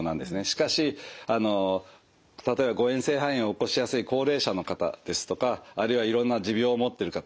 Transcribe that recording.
しかしあの例えば誤えん性肺炎を起こしやすい高齢者の方ですとかあるいはいろんな持病を持っている方